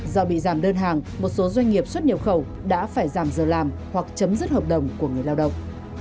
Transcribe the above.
do bị giảm đơn hàng một số doanh nghiệp xuất nhập khẩu đã phải giảm giờ làm hoặc chấm dứt hợp đồng của người lao động